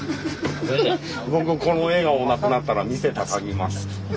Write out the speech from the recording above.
僕この笑顔なくなったら店畳みます。